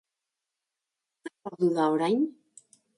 Zer ordu da orain?